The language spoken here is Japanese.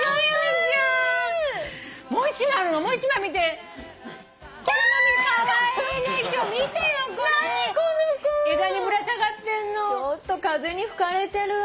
ちょっと風に吹かれてる。